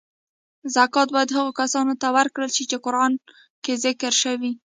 زکات باید هغو کسانو ته ورکړل چی قران کې ذکر شوی .